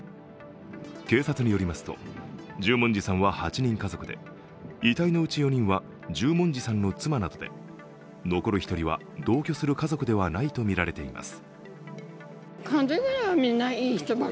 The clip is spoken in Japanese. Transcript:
警察によりますと、十文字さんは８人家族で遺体のうち４人は十文字さんの妻などで残る１人は同居する家族ではないとみられています。